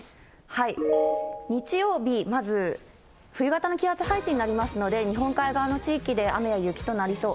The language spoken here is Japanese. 日曜日、まず冬型の気圧配置になりますので、日本海側の地域で雨や雪となりそう。